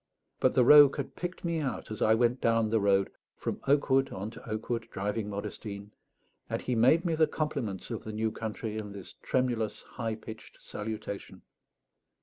But the rogue had picked me out as I went down the road, from oak wood on to oak wood, driving Modestine; and he made me the compliments of the new country in this tremulous high pitched salutation.